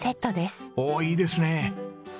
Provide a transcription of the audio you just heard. おおいいですね。